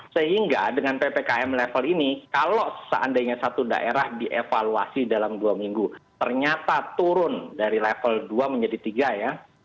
sehingga dengan ppkm level ini kalau seandainya satu daerah dievaluasi dalam dua minggu ternyata turun dari level dua menjadi tiga ya